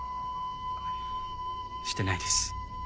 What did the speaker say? してないです。